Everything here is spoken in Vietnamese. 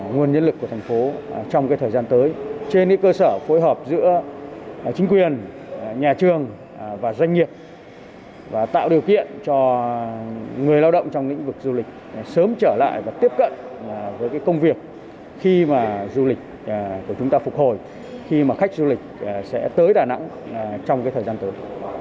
nguồn nhân lực của thành phố trong thời gian tới trên cơ sở phối hợp giữa chính quyền nhà trường và doanh nghiệp và tạo điều kiện cho người lao động trong lĩnh vực du lịch sớm trở lại và tiếp cận với công việc khi mà du lịch của chúng ta phục hồi khi mà khách du lịch sẽ tới đà nẵng trong thời gian tới